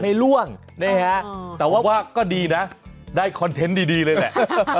ล่วงนี่ฮะแต่ว่าก็ดีนะได้คอนเทนต์ดีเลยแหละ